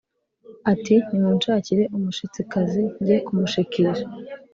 ati “nimunshakire umushitsikazi njye kumushikisha”